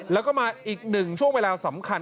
แล้วก็มาอีกหนึ่งช่วงเวลาสำคัญ